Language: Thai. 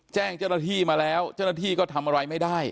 แจ้งเจ้าหน้าที่มาแล้วเจ้าหน้าที่ก็ทำอะไรไม่ได้